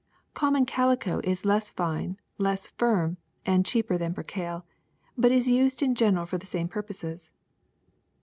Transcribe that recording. *^ Common calico is less fine, less firm, and cheaper than percale, but is used in general for the same pur poses.